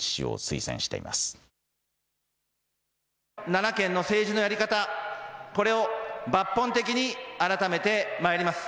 奈良県の政治のやり方、これを抜本的に改めてまいります。